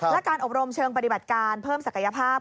และการอบรมเชิงปฏิบัติการเพิ่มศักยภาพ